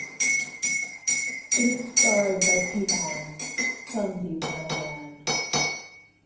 It is scarred by peat hags, some deeper than a man.